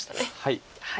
はい。